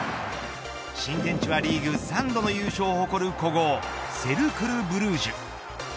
新天地はリーグ３度の優勝を誇る古豪セルクル・ブルージュ。